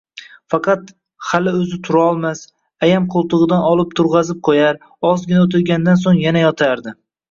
Faqat hali oʻzi turolmas, ayam qoʻltigʻidan olib turgʻazib qoʻyar, ozgina oʻtirgandan soʻng yana yotardi.